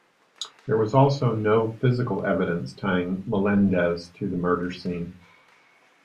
There was also no physical evidence tying Melendez to the murder scene.